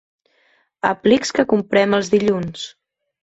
Aplics que comprem els dilluns.